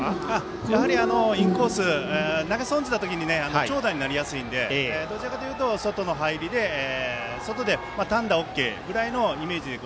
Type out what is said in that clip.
インコース投げ損じた時に長打になりやすいのでどちらかというと外の入りで外で単打ＯＫぐらいのイメージで。